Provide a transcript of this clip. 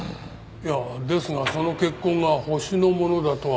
いやですがその血痕がホシのものだとは。